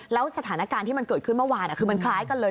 แล้วสถานการณ์ที่มันเกิดขึ้นเมื่อวานคือมันคล้ายกันเลย